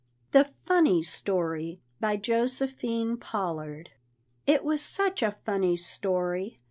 THE FUNNY STORY. BY JOSEPHINE POLLARD. It was such a funny story!